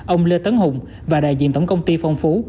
ông lê tấn hùng và đại diện tổng công ty phong phú